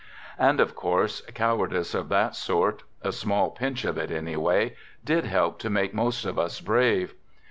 And, of course, cowardice of that sort, a small pinch of it anyway, did help to make most of us brave.